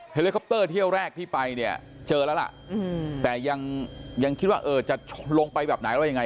ไฮลิคอปเตอร์เที่ยวแรกที่ไปเจอแล้วล่ะแต่ยังคิดว่าจะลงไปแบบไหนแล้วยังไง